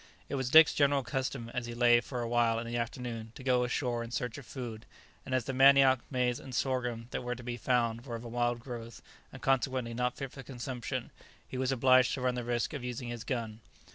It was Dick's general custom, as he lay to for a while in the afternoon, to go ashore in search of food, and as the manioc, maize, and sorghum that were to be found were of a wild growth and consequently not fit for consumption, he was obliged to run the risk of using his gun.